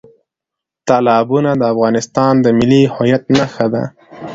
تالابونه د افغانستان د ملي هویت نښه ده.